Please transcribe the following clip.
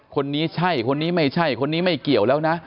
คนนี้ใช่คนนี้ไม่ใช่คนนี้ไม่เกี่ยวแล้วนะ